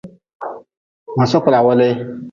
Ma sokla welee.